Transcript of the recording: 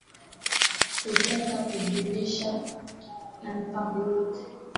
Tutenda ku ujisha ma mpango yetu yote